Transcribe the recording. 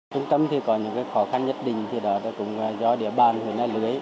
trung tâm thì có những cái khó khăn nhất định thì đó cũng do địa bàn huỳnh á lưới